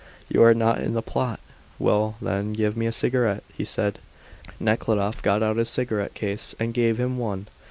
"You are not in the plot! Well, then, give me a cigarette," he said. Nekhludoff got out his cigarette case and gave him one.